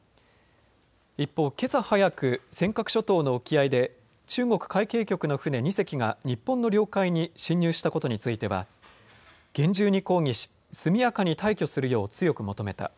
一方、けさ早く尖閣諸島の沖合で中国海警局の船２隻が日本の領海に侵入したことについては厳重に抗議し速やかに退去するよう強く求めた。